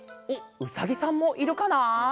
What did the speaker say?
おっうさぎさんもいるかなあ？